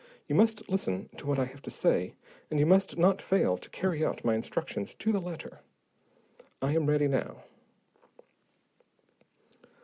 You must listen to what I have to say, and you must not fail to carry out my instructions to the letter. I am ready now."